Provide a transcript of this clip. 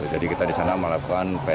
jadi kita di sana melakukan pcr